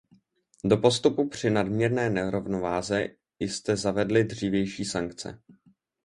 Do postupu při nadměrné nerovnováze jste zavedli dřívější sankce.